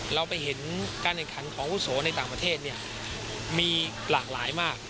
เราไปเห็นการแข่งขันของอาวุโสในต่างประเทศเนี่ยมีหลากหลายมาก